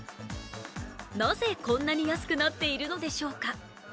なぜ、こんなに安くなっているのでしょうか。